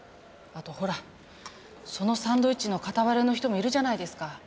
あとほらそのサンドイッチの片割れの人もいるじゃないですか。